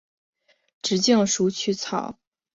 直茎鼠曲草为菊科鼠曲草属下的一个种。